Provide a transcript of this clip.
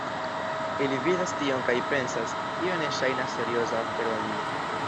Ili vidas tion kaj pensas "Tio ne ŝajnas serioza afero al mi"